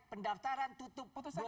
pendaftaran tutup dua belas juli